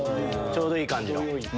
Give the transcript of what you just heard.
ちょうどいい感じの。